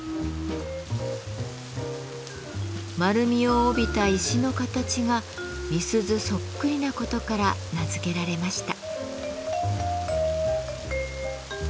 丸みを帯びた石の形が瓶子そっくりなことから名付けられました。